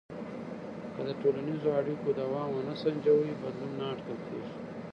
که د ټولنیزو اړیکو دوام ونه سنجوې، بدلون نه اټکل کېږي.